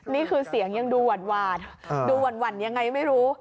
นี่คือเสียงยังดูหวาดดูหวั่นยังไงไม่รู้